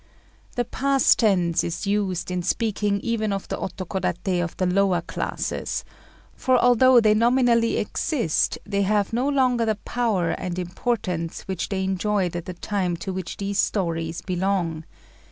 The past tense is used in speaking even of the Otokodaté of the lower classes; for although they nominally exist, they have no longer the power and importance which they enjoyed at the time to which these stories belong.